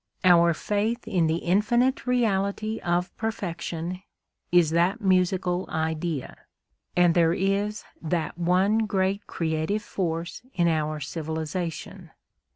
Our faith in the infinite reality of Perfection is that musical idea, and there is that one great creative force in our civilisation.